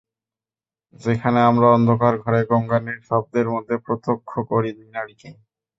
যেখানে আমরা অন্ধকার ঘরে গোঙানির শব্দের মধ্যে প্রত্যক্ষ করি দুই নারীকে।